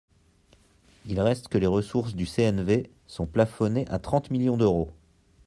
Il reste que les ressources du CNV sont plafonnées à trente millions d’euros.